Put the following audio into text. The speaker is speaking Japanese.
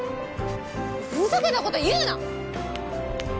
ふざけたこと言うな！